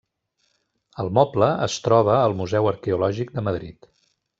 El moble es troba al Museu Arqueològic de Madrid.